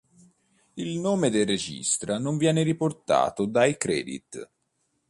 Il nome del regista non viene riportato dai credit.